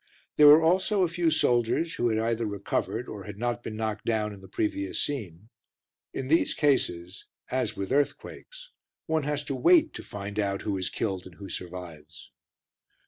There were also a few soldiers who had either recovered or had not been knocked down in the previous scene; in these cases, as with earthquakes, one has to wait to find out who is killed and who survives.